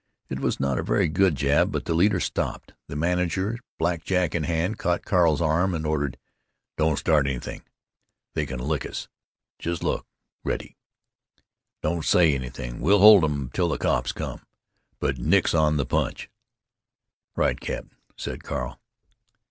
It was not a very good jab. But the leader stopped. The manager, black jack in hand, caught Carl's arm, and ordered: "Don't start anything! They can lick us. Just look ready. Don't say anything. We'll hold 'em till the cops come. But nix on the punch." "Right, Cap'n," said Carl.